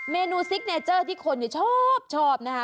เมนูซิกเนเจอร์ที่คนชอบนะคะ